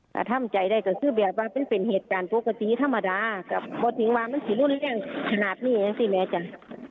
กับทำใจได้กฎื่อเบือบ้าลเป็นเหตุการณ์ปกติธรรมดากับบดีหวานว่ามันติดร่วนอย่างสมาดิครับ